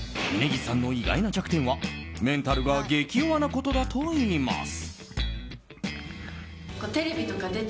峯岸さんの意外な弱点はメンタルが激弱なことだといいます。